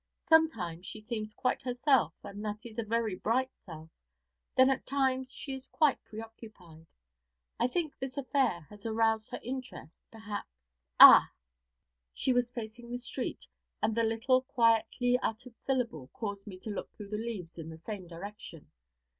Sometimes she seems quite herself, and that is a very bright self, then at times she is quite preoccupied. I think this affair has aroused her interest, perhaps ah ' She was facing the street, and the little quietly uttered syllable caused me to look through the leaves in the same direction.